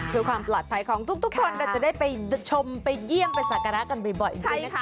ถือความปลอดภัยของทุกคนจะได้ไปชมไปเยี่ยมไปสากรากันบ่อย